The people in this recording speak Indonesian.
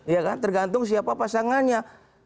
ya kan tergantung siapa pasangannya